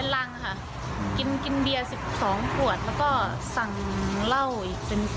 ลูกค้าบ้างเลยเหรอนะคะ